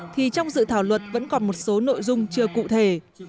thì trong dự thảo luật vẫn còn một số nội dung chưa cụ thể